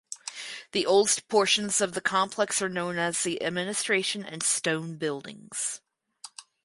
The oldest portions of the complex are known as the Administration and Stone Buildings.